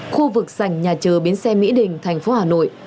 khu vực sành nhà chờ bến xe mỹ đình thành phố hà nội